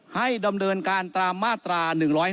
ให้ดำเนินการตามมาตรา๑๕